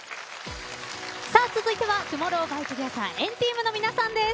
続いてはＴＯＭＯＲＲＯＷＸＴＯＧＥＴＨＥＲ＆ＴＥＡＭの皆さんです。